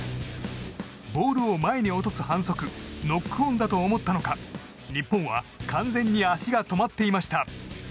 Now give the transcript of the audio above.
ボールを前に落とす反則ノックオンだと思ったのか日本は完全に足が止まっていました。